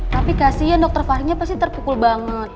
tapi kasihan dr fahri nya pasti terpukul banget